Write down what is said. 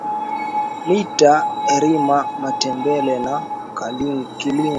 Mita rima matembele na kilanga